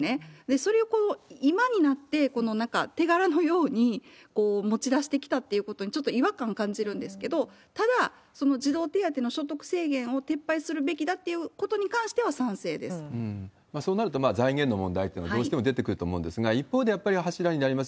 それを今になって、なんか手柄のように持ち出してきたっていうことにちょっと違和感感じるんですけど、ただ、その児童手当の所得制限を撤廃するべきだっていうことに関してはそうなると財源の問題というのは、どうしても出てくると思うんですが、一方でやはり柱になります